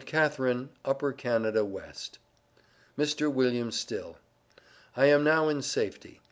CATHARINE, UPPER CANADA WEST. MR. WILLIAM STILL: I am now in safety.